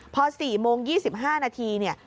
พอ๔โมง๒๕นาทีเนี่ย